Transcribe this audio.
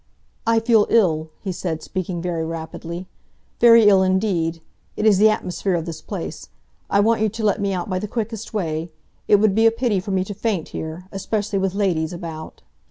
"I feel ill," he said, speaking very rapidly; "very ill indeed! It is the atmosphere of this place. I want you to let me out by the quickest way. It would be a pity for me to faint here—especially with ladies about."